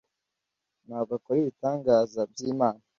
ntabwo akora ibitangaza by’imana